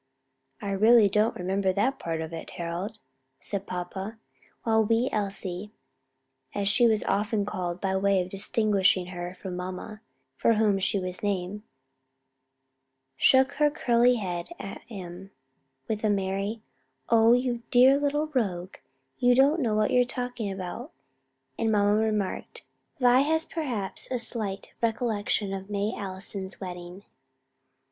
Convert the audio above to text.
"I really don't remember that part of it, Harold," said papa, while wee Elsie as she was often called by way of distinguishing her from mamma, for whom she was named shook her curly head at him with a merry "Oh, you dear little rogue, you don't know what you are talking about;" and mamma remarked, "Vi has perhaps a slight recollection of May Allison's wedding."